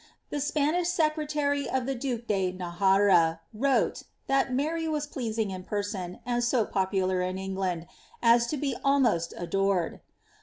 The Spanish secretary of the duke de Najera wrote, that Mary was pleasing in person, and so popular in England, as to be almost adored.